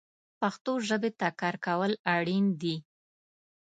پښتو ژبې ته کار کول اړین دي